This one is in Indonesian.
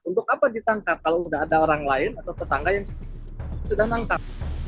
untuk apa ditangkap kalau sudah ada orang lain atau tetangga yang sudah menangkap